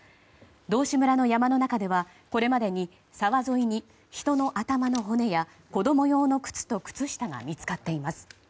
道志村の山の中ではこれまでに沢沿いに人の頭の骨や子供用の靴と靴下が見つかっています。